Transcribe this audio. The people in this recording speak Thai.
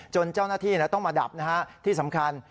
เจ้าหน้าที่ต้องมาดับนะฮะที่สำคัญ